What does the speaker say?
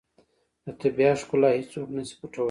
د طبیعت ښکلا هیڅوک نه شي پټولی.